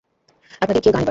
আপনাদের কেউ গান এবার।